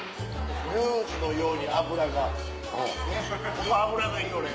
ジュースのように脂がねっこの脂がいいよね。